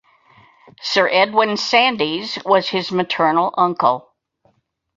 Sir Edwin Sandys was his maternal uncle.